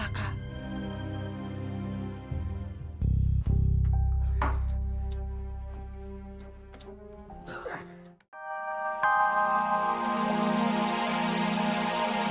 aku mau pergi